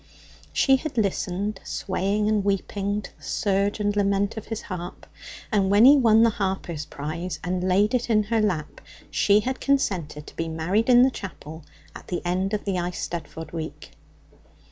She had listened, swaying and weeping to the surge and lament of his harp, and when he won the harper's prize and laid it in her lap she had consented to be married in the chapel at the end of the Eisteddfod week.